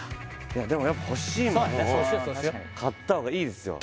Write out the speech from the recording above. でもやっぱ欲しい物を買った方がいいですよ